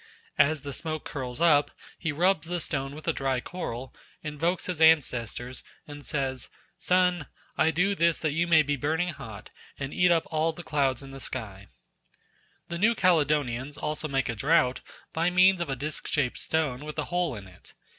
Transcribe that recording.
As the smoke curls up, he rubs the stone with the dry coral, invokes his ancestors and says: "Sun! I do this that you may be burning hot, and eat up all the clouds in the sky." The same ceremony is repeated at sunset. The New Caledonians also make a drought by means of a disc shaped stone with a hole in it.